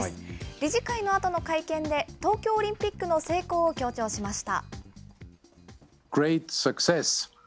理事会のあとの会見で、東京オリンピックの成功を強調しました。